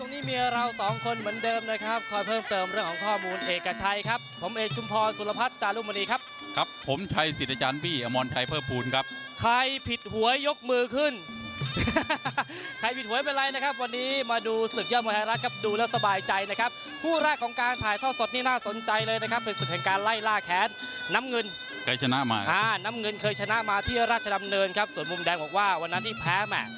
น้ำเงินเคยชนะมาที่ราชดำเนินครับส่วนมุมแดงบอกว่าวันนั้นที่แพ้แม่